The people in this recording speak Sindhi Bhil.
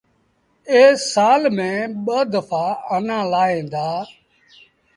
اي سآل ميݩ ٻآ دڦآ آنآ لآوهيݩ دآ